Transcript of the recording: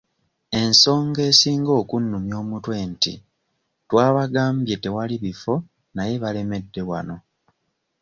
Ensonga esinga okunnumya omutwe nti twabagambye twewali bifo naye balemedde wano.